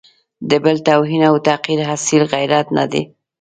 د بل توهین او تحقیر اصیل غیرت نه دی.